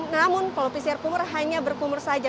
namun kalau pcr kumur hanya berkumur saja